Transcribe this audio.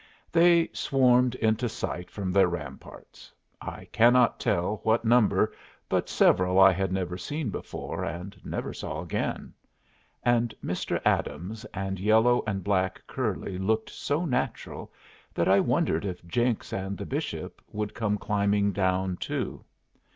They swarmed into sight from their ramparts. I cannot tell what number, but several I had never seen before and never saw again; and Mr. Adams and yellow and black curly looked so natural that I wondered if Jenks and the Bishop would come climbing down too.